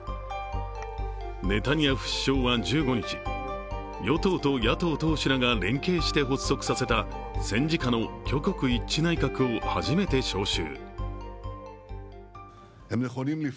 ネタニヤフ首相は１５日、与党と野党党首らが連携して発足させた戦時下の挙国一致内閣を初めて招集。